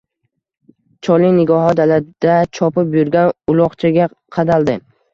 Cholning nigohi dalada chopib yurgan uloqchaga qadaldi